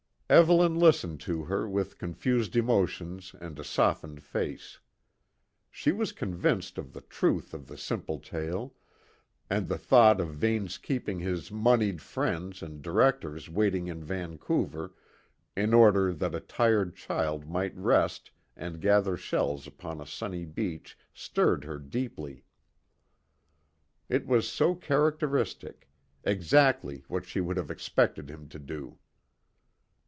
Evelyn listened to her with confused emotions and a softened face. She was convinced of the truth of the simple tale, and the thought of Vane's keeping his monied friends and directors waiting in Vancouver in order that a tired child might rest and gather shells upon a sunny beach stirred her deeply. It was so characteristic; exactly what she would have expected him to do.